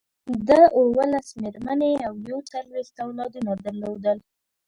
ده اوولس مېرمنې او یو څلویښت اولادونه درلودل.